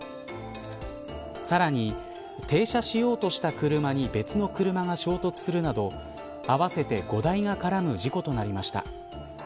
さらに、停車しようとした車に別の車が衝突するなど合わせて５台が絡む事故となりました。